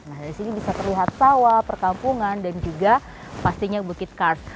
nah dari sini bisa terlihat sawah perkampungan dan juga pastinya bukit kars